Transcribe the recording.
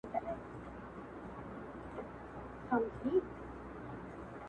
شمع كوچ سوه د محفل له ماښامونو-